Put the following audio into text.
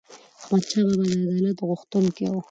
احمدشاه بابا د عدالت غوښتونکی و.